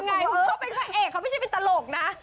เขาเป็นพระเอกเขาไม่ใช่เป็นตลกนะ